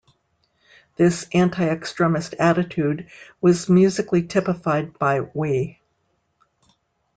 This anti-extremist attitude was musically typified by Oi!